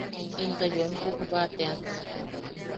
Into yoem pujba tean.